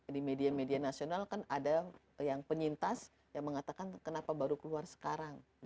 di media media nasional kan ada yang penyintas yang mengatakan kenapa baru keluar sekarang